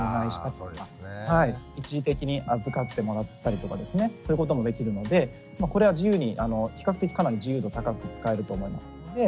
一時的に預かってもらったりとかですねそういうこともできるのでこれは自由に比較的かなり自由度高く使えると思いますので。